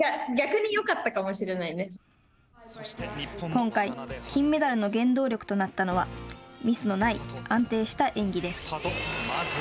今回、金メダルの原動力となったのはミスのない安定した演技です。